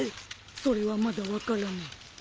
それはまだ分からない。